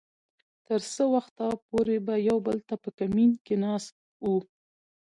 تر څه وخته پورې به يو بل ته په کمين کې ناست وو .